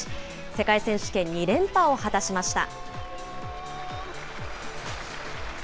世界選手権２連覇を果たしました。